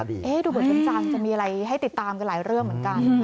ดูก่อนในทางจะมีอะไรให้ติดตามกันหลายเรื่องเหมือนกัน